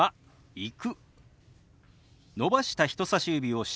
「行く」。